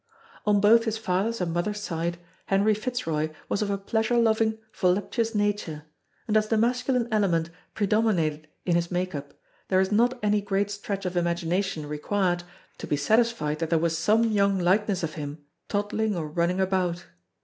On both his father's and mother's side Henry Fitzroy was of a pleasure loving, voluptuous nature, and as the masculine element predominated in his make up there is not any great stretch of imagination required to be satisfied that there was some young likeness of him toddling or running about.